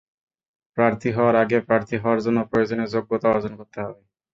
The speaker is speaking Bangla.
প্রার্থী হওয়ার আগে প্রার্থী হওয়ার জন্য প্রয়োজনীয় যোগ্যতা অর্জন করতে হবে।